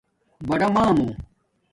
بڑامامُو